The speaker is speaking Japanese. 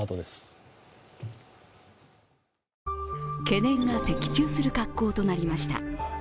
懸念が的中する格好となりました。